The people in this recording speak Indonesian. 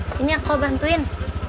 sini aku bantuin